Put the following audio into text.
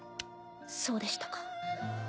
そうでしたか。